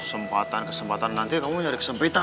sempatan kesempatan nanti kamu nyari kesempitan